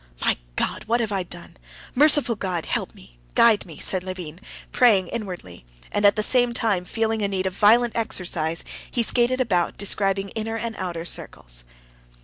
"My God! what have I done! Merciful God! help me, guide me," said Levin, praying inwardly, and at the same time, feeling a need of violent exercise, he skated about describing inner and outer circles.